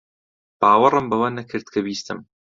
باوەڕم بەوە نەکرد کە بیستم.